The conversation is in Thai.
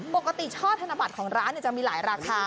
ช่อธนบัตรของร้านจะมีหลายราคา